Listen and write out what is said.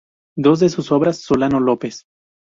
Dos de sus obras, “Solano López.